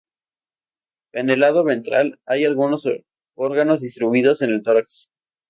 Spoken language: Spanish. En el lado ventral, hay algunos órganos distribuidos en el tórax.